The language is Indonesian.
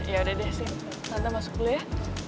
yaudah deh sing tante masuk dulu ya